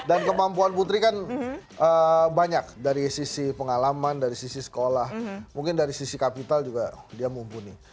dan kemampuan putri kan banyak dari sisi pengalaman dari sisi sekolah mungkin dari sisi kapital juga dia mumpuni